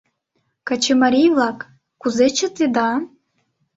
— Качымарий-влак, кузе чытеда?